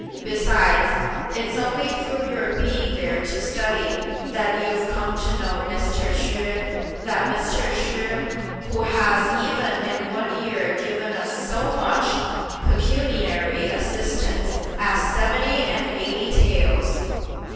Besides, it's only through your being there to study, that you've come to know Mr. Hsüeh! that Mr. Hsüeh, who has even in one year given us so much pecuniary assistance as seventy and eighty taels!